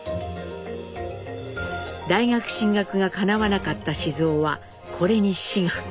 大学進学がかなわなかった雄はこれに志願。